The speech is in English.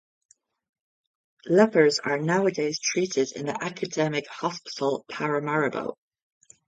Lepers are nowadays treated in the Academic Hospital Paramaribo.